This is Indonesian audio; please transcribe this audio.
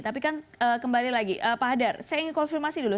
tapi kan kembali lagi pak hadar saya ingin konfirmasi dulu